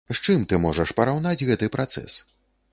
З чым ты можаш параўнаць гэты працэс?